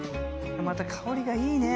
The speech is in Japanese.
また香りがいいね！